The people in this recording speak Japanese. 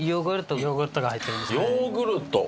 ヨーグルト。